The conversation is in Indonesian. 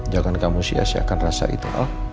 jangan kamu sia siakan rasa itu